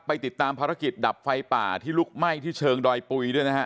ติดตามภารกิจดับไฟป่าที่ลุกไหม้ที่เชิงดอยปุ๋ยด้วยนะฮะ